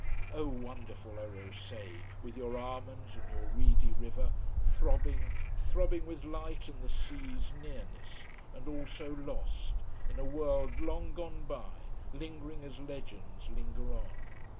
Oh wonderful Orosei with your almonds and your reedy river, throbbing, throbbing with light and the sea's nearness, and all so lost, in a world long gone by, lingering as legends linger on.